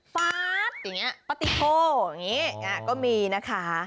ป๊ั๊ดปะติโตอย่างงี้ก็มีนะคะ